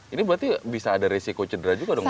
ini berarti bisa ada resiko cedera juga dong